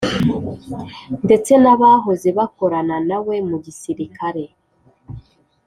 ndetse n’abahoze bakorana na we mu gisirikare